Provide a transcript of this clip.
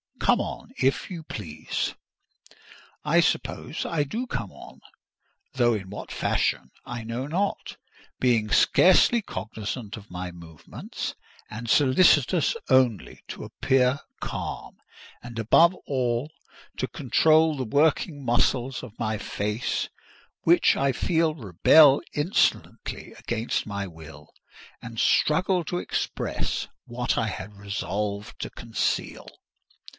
Come on, if you please." I suppose I do come on; though in what fashion I know not; being scarcely cognisant of my movements, and solicitous only to appear calm; and, above all, to control the working muscles of my face—which I feel rebel insolently against my will, and struggle to express what I had resolved to conceal.